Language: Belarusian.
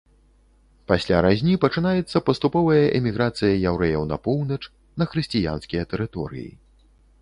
Пасля разні пачынаецца паступовая эміграцыя яўрэяў на поўнач, на хрысціянскія тэрыторыі.